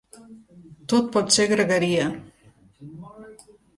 Tot pot ser gregueria.